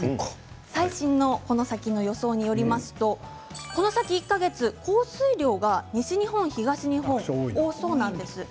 最新のこの先の予想によりますとこの先１か月、降水量が東日本、西日本多そうなんです。